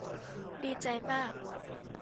ดีใจมาก